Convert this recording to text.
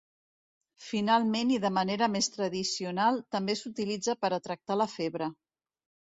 Finalment i de manera més tradicional, també s'utilitza per a tractar la febre.